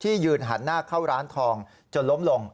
ที่ยืนหันหน้าเข้าร้านทอง